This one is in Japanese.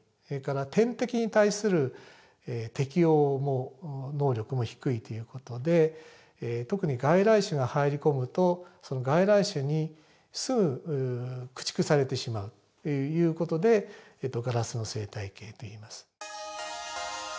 それから天敵に対する適応能力も低いという事で特に外来種が入り込むとその外来種にすぐ駆逐されてしまうという事でガラスの生態系といいます。